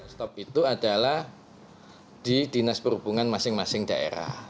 stop itu adalah di dinas perhubungan masing masing daerah